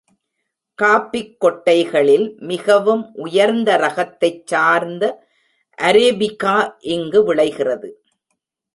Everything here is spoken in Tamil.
காஃபிக் கொட்டைகளில் மிகவும் உயர்ந்த ரகத்தைச் சார்ந்த அரேபிகா இங்கு விளைகிறது.